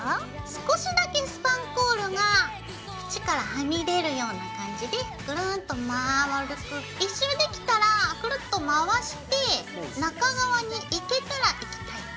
少しだけスパンコールが縁からはみ出るような感じでぐるんっと丸く１周できたらくるっと回して中側にいけたらいきたい。